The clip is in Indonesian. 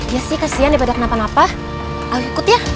iya sih kesian daripada kenapa napa ayo ikut ya